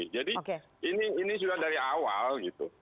jadi ini sudah dari awal